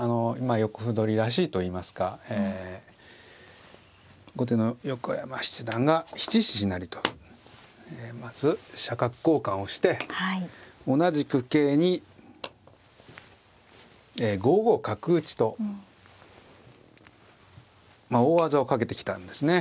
横歩取りらしいといいますか後手の横山七段が７七飛成とまず飛車角交換をして同じく桂に５五角打と大技をかけてきたんですね。